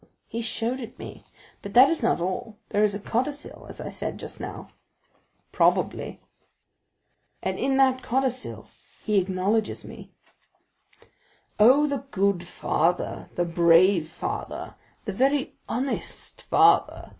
"He showed it me; but that is not all—there is a codicil, as I said just now." "Probably." "And in that codicil he acknowledges me." "Oh, the good father, the brave father, the very honest father!"